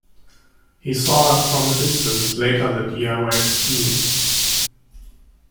He saw her from a distance later that year while skiing.